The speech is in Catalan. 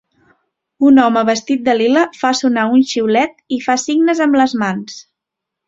Un home vestit de lila fa sonar un xiulet i fa signes amb les mans.